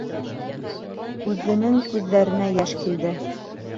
Үҙенең күҙҙәренә йәш килде.